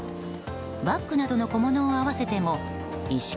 バックなどの小物を合わせても一式